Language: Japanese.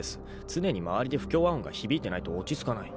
常に周りで不協和音が響いてないと落ち着かない。